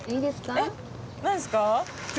えっなんですか？